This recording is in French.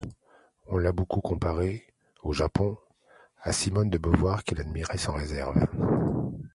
On l'a beaucoup comparée, au Japon, à Simone de Beauvoir qu'elle admirait sans réserve.